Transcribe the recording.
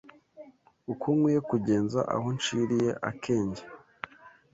Uko nkwiye kugenza Aho nshiliye akenge